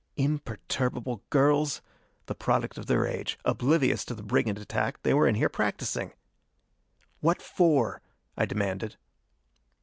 Imperturbable girls! The product of their age. Oblivious to the brigand attack, they were in here practising! "What for?" I demanded.